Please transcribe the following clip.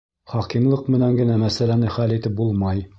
Хакимлыҡ менән генә мәсьәләне хәл итеп булмай.